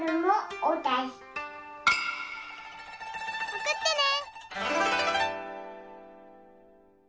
おくってね！